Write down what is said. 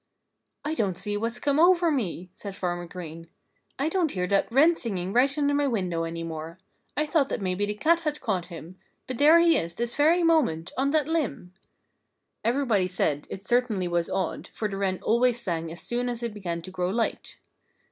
"I don't see what's come over me," said Farmer Green. "I don't hear that wren singing right under my window any more. I thought that maybe the cat had caught him. But there he is this very moment, on that limb!" Everybody said it certainly was odd, for the wren always sang as soon as it began to grow light.